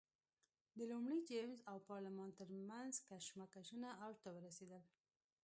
د لومړي جېمز او پارلمان ترمنځ کشمکشونه اوج ته ورسېدل.